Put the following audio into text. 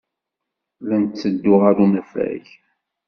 La netteddu ɣer unafag.